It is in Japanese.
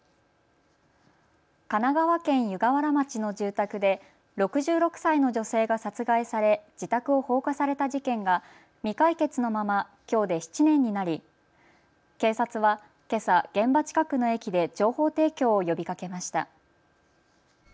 神奈川県湯河原町の住宅で６６歳の女性が殺害され自宅を放火された事件が未解決のままきょうで７年になり警察はけさ、現場近くの駅で情報提供を呼びかけました。